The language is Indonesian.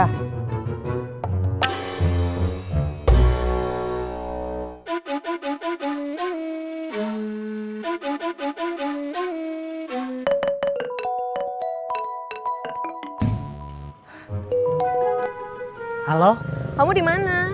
halo kamu dimana